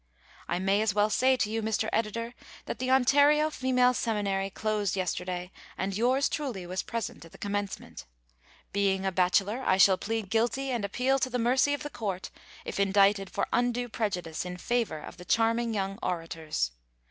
"I may as well say to you, Mr. Editor, that the Ontario Female Seminary closed yesterday and 'Yours truly' was present at the commencement. Being a bachelor I shall plead guilty and appeal to the mercy of the Court, if indicted for undue prejudice in favor of the charming young orators.